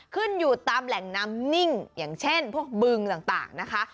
ขึ้นอยู่ตามแหล่งน้ำนิ่งอย่างเช่นพวกบึงต่างนะคะ